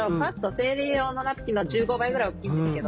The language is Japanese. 生理用のナプキンの１５倍ぐらい大きいんですけど。